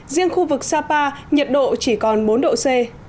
riêng khu vực sapa nhiệt độ chỉ còn bốn độ c